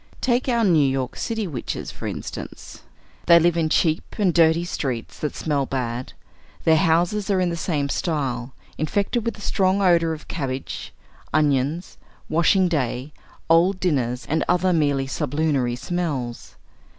Take our New York city witches, for instance. They live in cheap and dirty streets that smell bad; their houses are in the same style, infected with a strong odor of cabbage, onions, washing day, old dinners, and other merely sublunary smells.